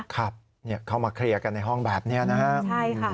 ครับเข้ามาเคลียร์กันในห้องแบบนี้นะครับใช่ค่ะ